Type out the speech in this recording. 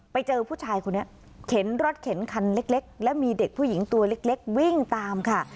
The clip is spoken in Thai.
ไปเจอผู้ชายคนนี้เข็นรถเข็นคันเล็กและมีเด็กผู้หญิงตัวเล็กวิ่งตามค่ะ